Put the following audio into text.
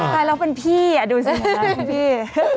ตายแล้วเป็นพี่ดูสิพี่